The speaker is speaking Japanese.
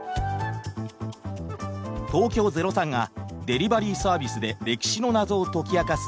東京０３がデリバリーサービスで歴史の謎を解き明かす